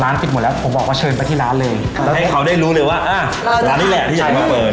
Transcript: ปิดหมดแล้วผมบอกว่าเชิญไปที่ร้านเลยแล้วให้เขาได้รู้เลยว่าอ่าร้านนี้แหละที่ยายมาเปิด